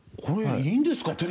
これいいんですか？